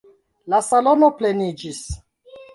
La salono pleniĝis.